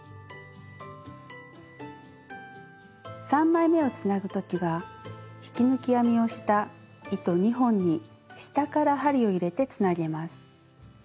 ３枚めをつなぐ時は引き抜き編みをした糸２本に下から針を入れてつなげます。